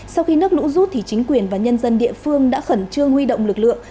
sau khi nước lũ rút chính quyền và nhân dân địa phương đã khẩn trương huy động lực lượng